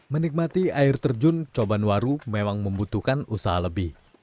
menikmati air terjun cobanwaru memang membutuhkan usaha lebih